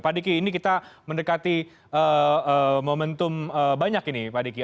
pak diki ini kita mendekati momentum banyak ini pak diki